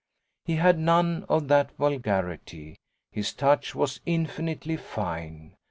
He had none of that vulgarity his touch was infinitely fine.